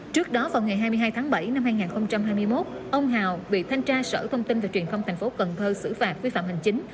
trước đó vào ngày hai mươi hai tháng bảy năm hai nghìn hai mươi một ông hào bị thanh tra sở thông tin và truyền thông tp cần thơ xử phạt vi phạm hành chính